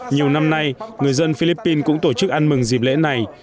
nhiều năm nay người dân philippines cũng tổ chức ăn mừng dịp lễ này